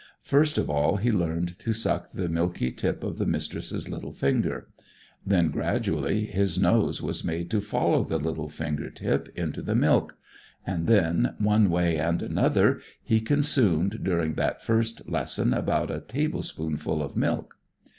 First of all he learned to suck the milky tip of the Mistress's little finger. Then, gradually, his nose was made to follow the little finger tip into the milk; and, one way and another, he consumed during that first lesson about a tablespoonful of milk.